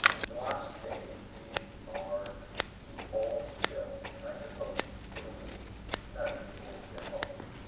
The last day, we are to keep all we kill; and, I suppose, it will be night before we get home.